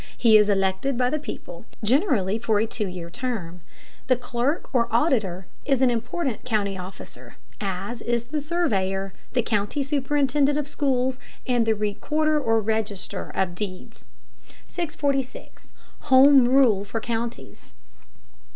He is elected by the people, generally for a two year term. The clerk or auditor is an important county officer, as is the surveyor, the county superintendent of schools, and the recorder or register of deeds. 646. HOME RULE FOR COUNTIES.